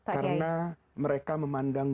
karena mereka memandang